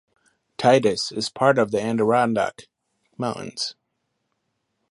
Titus is part of the Adirondack Mountains.